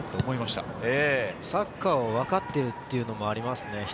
サッカーをわかっているというのもありますね。